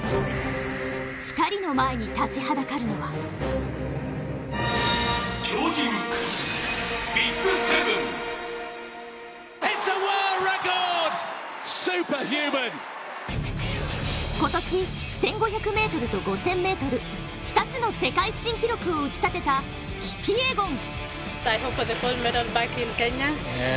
２人の前に立ちはだかるのは今年、１５００ｍと５０００ｍ、２つの世界新記録を打ち立てたキピエゴン。